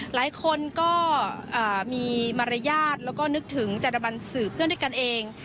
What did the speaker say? หลายคนก็มีมารยาทแล้วก็นึกถึงจัตรบันสื่อเพื่อนด้วยกันเอง